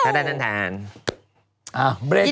อ้าบรีกกันสักครู่